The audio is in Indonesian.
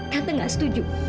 tante gak setuju